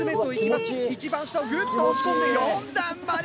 一番下をグッと押し込んで４段まで！